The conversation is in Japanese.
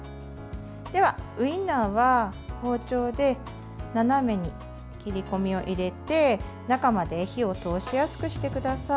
では、ウインナーは包丁で斜めに切り込みを入れて中まで火を通しやすくしてください。